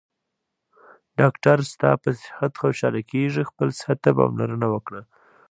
ډاکټر ستاپه صحت خوشحاله کیږي خپل صحته پاملرنه وکړه